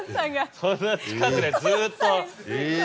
そんな近くでずっと。